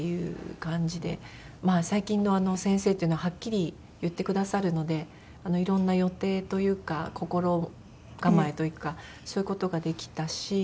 まあ最近の先生っていうのははっきり言ってくださるのでいろんな予定というか心構えというかそういう事ができたし。